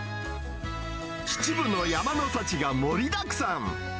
秩父の山の幸が盛りだくさん。